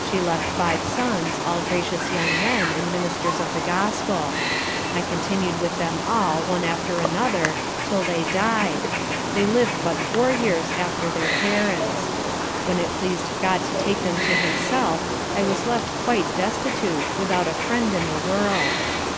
She left five sons, all gracious young men, and Ministers of the Gospel. I continued with them all, one after another, till they died; they liv'd but four years after their parents. When it pleased God to take them to Himself, I was left quite destitute, without a friend in the world.